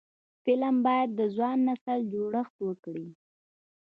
فلم باید د ځوان نسل جوړښت وکړي